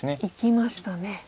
いきましたね。